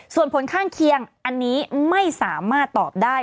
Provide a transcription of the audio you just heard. ส่วนผลข้างเคียงอันนี้ไม่สามารถตอบได้